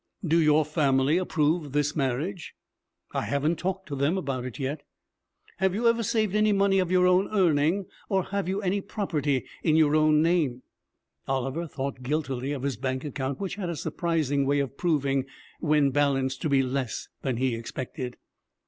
'Do your family approve of this marriage?' 'I haven't talked to them about it yet.' 'Have you ever saved any money of your own earning, or have you any property in your own name?' Oliver thought guiltily of his bank account, which had a surprising way of proving, when balanced, to be less than he expected.